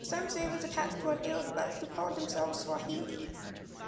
Some sailors attached to an Arab boat, who called themselves Swahili.